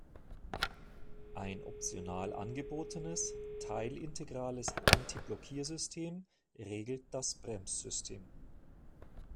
Ein optional angebotenes, teil-integrales Antiblockiersystem regelt das Bremssystem.